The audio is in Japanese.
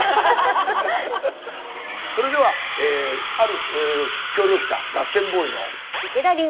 それではある協力者ガッテンボーイの。